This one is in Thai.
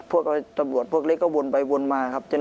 ตำรวจพวกเล็กก็วนไปวนมาครับ